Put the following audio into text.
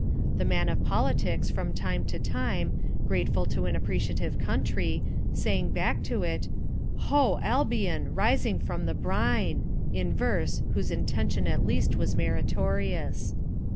The man of politics, from time to time, grateful to an appreciative country, sang back to it, "Ho, Albion, rising from the brine!" in verse whose intention at least was meritorious.